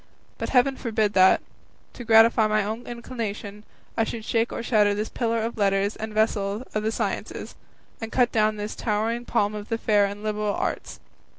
But heaven forbid that, to gratify my own inclination, I should shake or shatter this pillar of letters and vessel of the sciences, and cut down this towering palm of the fair and liberal arts.